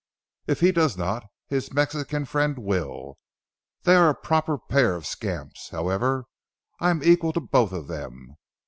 "If he does not, his Mexican friend will. They are a proper pair of scamps. However I am equal to both of them.